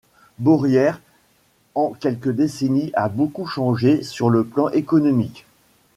Beaurières en quelques décennies a beaucoup changé sur le plan économique.